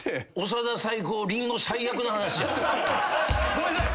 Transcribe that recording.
ごめんなさい！